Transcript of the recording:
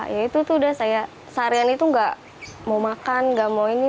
ya itu tuh udah saya seharian itu nggak mau makan gak mau ini